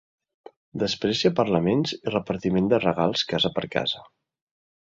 Després hi ha parlaments i repartiment de regals casa per casa.